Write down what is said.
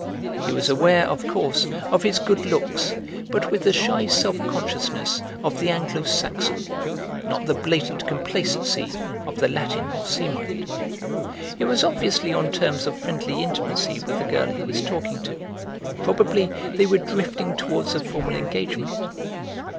He was aware, of course, of his good looks, but with the shy self consciousness of the Anglo Saxon, not the blatant complacency of the Latin or Semite. He was obviously on terms of friendly intimacy with the girl he was talking to, probably they were drifting towards a formal engagement.